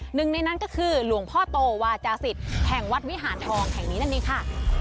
หนึ่งในนั้นก็คือหลวงพ่อโตวาจาศิษย์แห่งวัดวิหารทองแห่งนี้นั่นเองค่ะ